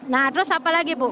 nah terus apa lagi bu